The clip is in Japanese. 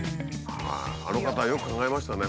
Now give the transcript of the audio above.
あの方はよく考えましたね